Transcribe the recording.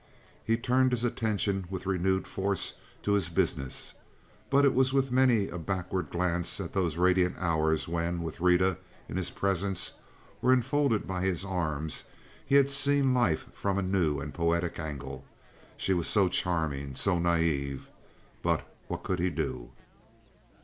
He turned his attention with renewed force to his business; but it was with many a backward glance at those radiant hours when, with Rita in his presence or enfolded by his arms, he had seen life from a new and poetic angle. She was so charming, so naive—but what could he do?